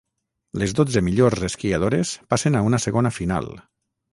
Les dotze millors esquiadores passen a una segona final.